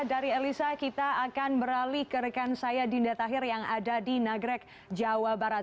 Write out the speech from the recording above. dari elisa kita akan beralih ke rekan saya dinda tahir yang ada di nagrek jawa barat